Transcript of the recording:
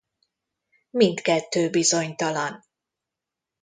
Mindkettő bizonytalan.